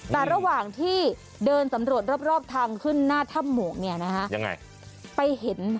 แต่ระหว่างที่เดินสำรวจรอบทางขึ้นหน้าถ้ำโหมก